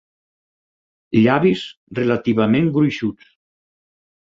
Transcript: Llavis relativament gruixuts.